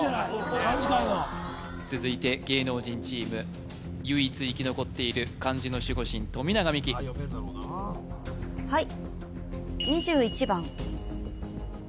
漢字界の続いて芸能人チーム唯一生き残っている漢字の守護神富永美樹はい